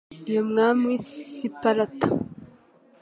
uyu umwami w'i Sparta.